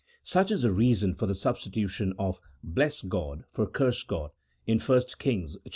Such is the reason for the sub stitution of " bless God " for " curse God " in 1 Kings xxi.